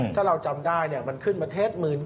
ถ้าเราจำได้มันขึ้นประเทศ๑๑๐๐